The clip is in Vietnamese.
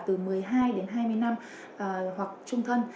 từ một mươi hai đến hai mươi năm hoặc trung thân